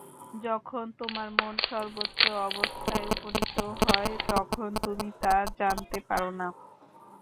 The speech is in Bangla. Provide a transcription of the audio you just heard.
যখন তোমার মন সর্বোচ্চ অবস্থায় উপনীত হয়, তখন তুমি তা জানতে পার না।